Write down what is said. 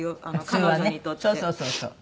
そうそうそうそう。